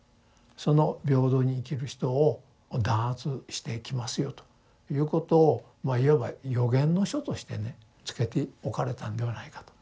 「その平等に生きる人を弾圧してきますよ」ということをまあいわば予言の書としてね付けておかれたんではないかと。